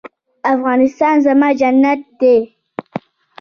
افغانستان زما جنت دی